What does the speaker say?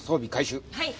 はい。